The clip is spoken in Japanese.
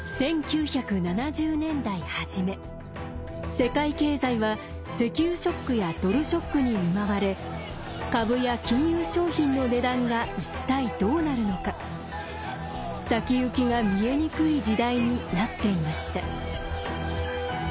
世界経済は石油ショックやドルショックに見舞われ株や金融商品の値段が一体どうなるのか先行きが見えにくい時代になっていました。